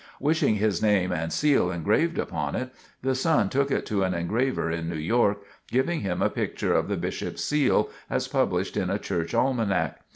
Wishing his name and seal engraved upon it, the son took it to an engraver in New York, giving him a picture of the Bishop's seal as published in a Church Almanac.